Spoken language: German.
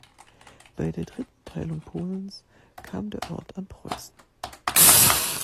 Bei der dritten Teilung Polens kam der Ort an Preußen.